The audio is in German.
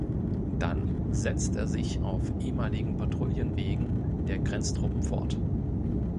Dann setzt er sich auf ehemaligen Patroullienwegen der Grenztruppen fort.